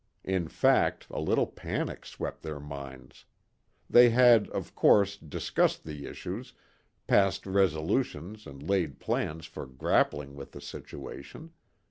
In fact, a little panic swept their minds. They had, of course, discussed the issues, passed resolutions and laid plans for grappling with the situation.